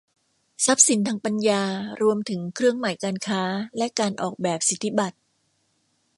ทรัพย์สินทางปัญญารวมถึงเครื่องหมายการค้าและการออกแบบสิทธิบัตร